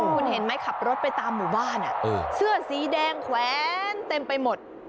คุณเห็นไหมขับรถไปตามหมู่บ้านเสื้อสีแดงแขวนเต็มไปหมด